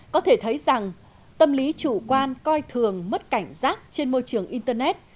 có thể thấy rằng tâm lý chủ quan coi thường mất cảnh giác trên môi trường internet